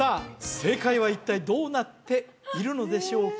正解は一体どうなっているのでしょうか？